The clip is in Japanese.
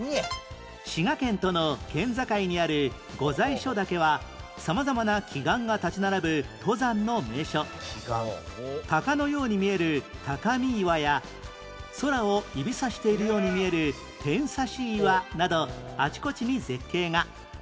滋賀県との県境にある御在所岳は鷹のように見える鷹見岩や空を指さしているように見える天差岩などあちこちに絶景が